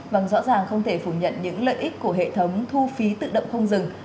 vâng rõ ràng không thể phủ nhận những lợi ích của hệ thống thu phí tự động không dừng